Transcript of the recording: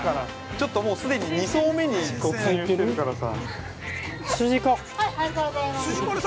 ちょっと、もう既に２層目に突入してるからさ。